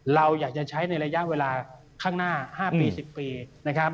เราอยากจะใช้ในระยะเวลาข้างหน้า๕ปี๑๐ปีนะครับ